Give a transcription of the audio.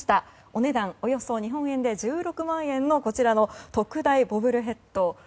お値段、およそ日本円で１６万円の特大ボブルヘッド。